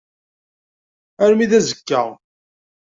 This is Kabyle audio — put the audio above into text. Armi d azekka.